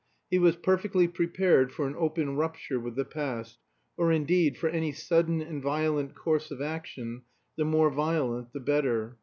He was perfectly prepared for an open rupture with the past, or, indeed, for any sudden and violent course of action, the more violent the better.